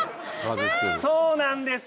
そうなんです！